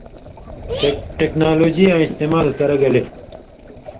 ٹیکنالوجی یاں استعمال کرہ گلے